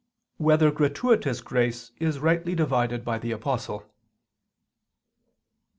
4] Whether Gratuitous Grace Is Rightly Divided by the Apostle?